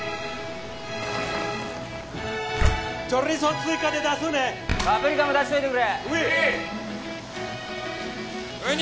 チョリソー追加で出すねパプリカも出しといてくれウイウニ